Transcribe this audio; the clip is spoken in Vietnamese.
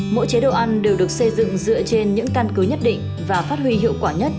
mỗi chế độ ăn đều được xây dựng dựa trên những căn cứ nhất định và phát huy hiệu quả nhất